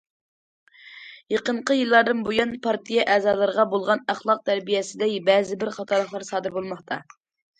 يېقىنقى يىللاردىن بۇيان، پارتىيە ئەزالىرىغا بولغان ئەخلاق تەربىيەسىدە بەزىبىر خاتالىقلار سادىر بولماقتا.